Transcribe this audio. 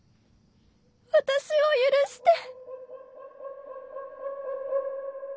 私を許して。